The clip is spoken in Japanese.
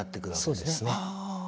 そうですね。